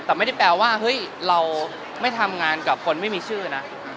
แต่ไม่ได้แปลว่าเฮ้ยเราไม่ทำงานกับคนไม่มีชื่อนะ